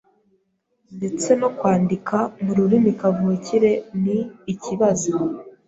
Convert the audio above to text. Ndetse no kwandika mu rurimi kavukire ni ikibazo.